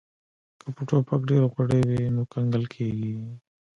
که په ټوپک ډیر غوړي وي نو کنګل کیږي